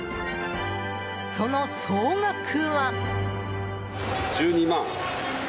その総額は。